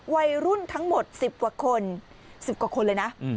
วัยรุ่นทั้งหมด๑๐กว่าคน๑๐กว่าคนเลยนะ